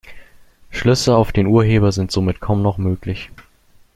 Schlüsse auf den Urheber sind somit kaum noch möglich.